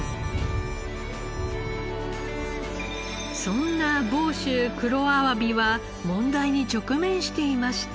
そんな房州黒あわびは問題に直面していました。